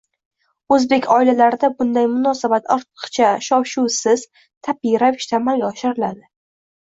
O‘zbek oilalarida bunday munosabat ortiqcha shov-shuvsiz, tabiiy ravishda amalga oshiriladi